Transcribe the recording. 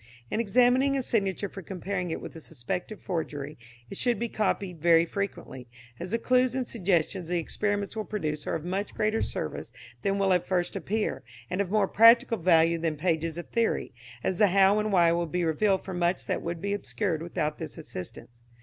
In examining a signature for comparing it with a suspected forgery it should be copied very frequently, as the clues and suggestions the experiments will produce are of much greater service than will at first appear, and of more practical value than pages of theory, as the how and why will be revealed for much that would be obscure without this assistance.